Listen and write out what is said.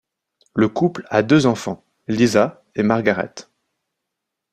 Le couple a deux enfants, Liza et Margaret.